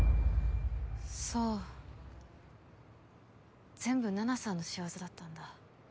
そう全部奈々さんの仕業だったんだ。